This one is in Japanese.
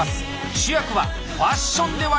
主役はファッションではありません！